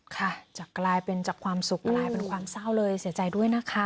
ค่ะจะกลายเป็นจากความสุขกลายเป็นความเศร้าเลยเสียใจด้วยนะคะ